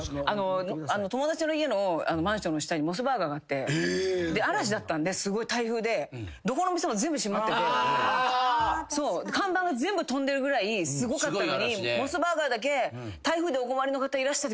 友達の家のマンションの下にモスバーガーがあって嵐だったんですごい台風でどこの店も全部閉まってて看板が全部飛んでるぐらいすごかったのにモスバーガーだけ「台風でお困りの方いらしてください」っていう。